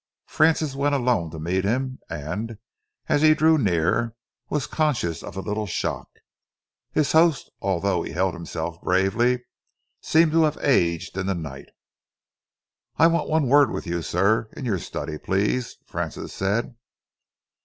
Francis went alone to meet him and, as he drew near, was conscious of a little shock. His host, although he held himself bravely, seemed to have aged in the night. "I want one word with you, sir, in your study, please," Francis said.